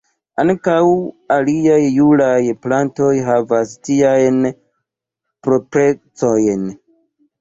Ankaŭ aliaj julaj plantoj havas tiajn proprecojn.